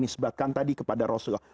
misbahkan tadi kepada rasulullah